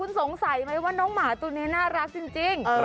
คุณสงสัยไหมล่ะคุณสงสัยไหมว่าน้องหมาตัวนี้น่ารักจริง